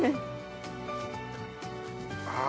ああ。